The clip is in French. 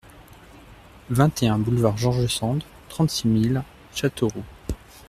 vingt et un boulevard George Sand, trente-six mille Châteauroux